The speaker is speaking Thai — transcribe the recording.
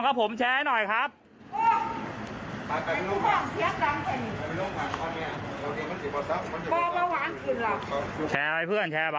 ชแชไปเพื่อนแชไป